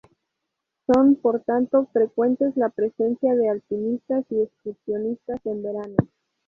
Son, por tanto, frecuentes la presencia de alpinistas y excursionistas en verano.